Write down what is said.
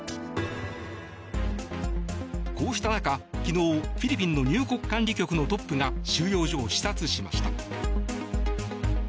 こうした中、昨日フィリピンの入国管理局のトップが収容所を視察しました。